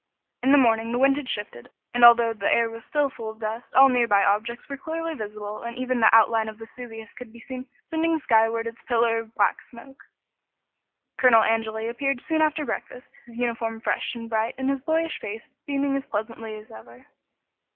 In the morning the wind had shifted, and although the air was still full of dust all near by objects were clearly visible and even the outline of Vesuvius could be seen sending skyward its pillar of black smoke. Colonel Angeli appeared soon after breakfast, his uniform fresh and bright and his boyish face beaming as pleasantly as ever.